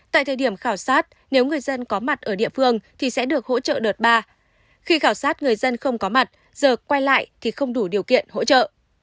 tại thời điểm khảo sát nếu người dân có mặt ở địa phương thì sẽ được hỗ trợ đợt ba khi khảo sát người dân không có mặt giờ quay lại thì không đủ điều kiện hỗ trợ